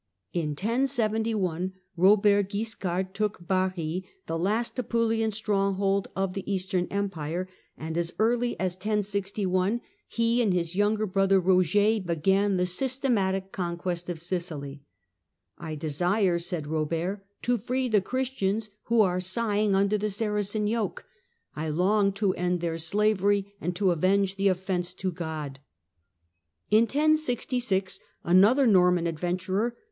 In 1071 Eobert Guiscard took Bari, the last Apulian stronghold of the Eastern Empire, and as early 78 THE CENTRAL PERIOD OF THE MIDDLE AGE as 1061 he and his younger brother Eoger began the systematic conquest of Sicily. " I desire," said Kobert, " to free the Christians who are sighing under the Saracen yoke. I long to end their slavery, and to avenge the offence to God." In 1066 another Norman adventurer.